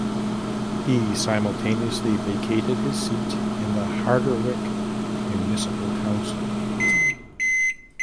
He simultaneously vacated his seat in the Harderwijk municipal council.